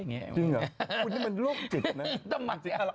จริงเหรอคุณนี่มันลูกจิตนะ